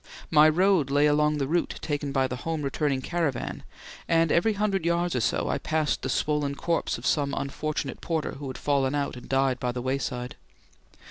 My road lay along the route taken by the home returning caravan, and every hundred yards or so I passed the swollen corpse of some unfortunate porter who had fallen out and died by the wayside.